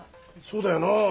そうだよなあ。